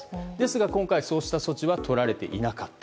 ただ今回、そうした措置はとられていなかった。